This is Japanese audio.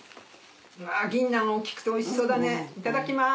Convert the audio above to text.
うわっギンナン大きくておいしそうだねいただきます！